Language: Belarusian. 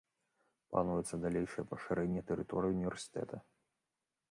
Плануецца далейшае пашырэнне тэрыторыі ўніверсітэта.